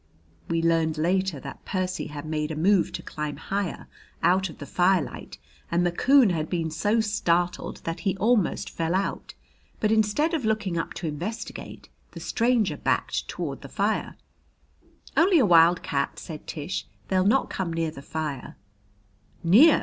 We learned later that Percy had made a move to climb higher, out of the firelight, and the coon had been so startled that he almost fell out. But instead of looking up to investigate, the stranger backed toward the fire. "Only a wildcat," said Tish. "They'll not come near the fire." "Near!"